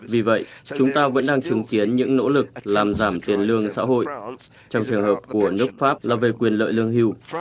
vì vậy chúng ta vẫn đang chứng kiến những nỗ lực làm giảm tiền lương xã hội trong trường hợp của nước pháp là về quyền lợi lương hưu